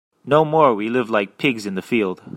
No more we live like pigs in the field.